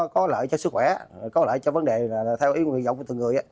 có lợi cho sức khỏe có lợi cho vấn đề là theo ý dọng của tụi người